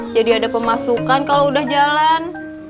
jadi ada pemasukan kalo udah jalan